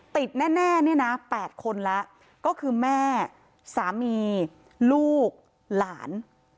ติดแน่เนี่ยนะ๘คนแล้วก็คือแม่สามีลูกหลาน